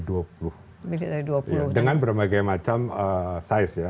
dengan berbagai macam size ya